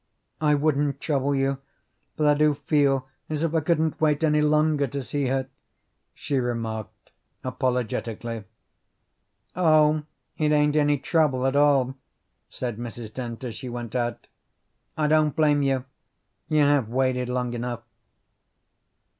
"I wouldn't trouble you, but I do feel as if I couldn't wait any longer to see her," she remarked apologetically. "Oh, it ain't any trouble at all," said Mrs. Dent as she went out. "I don't blame you; you have waited long enough."